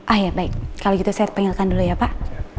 ah iya baik kalo gitu saya pengilkan dulu ya pak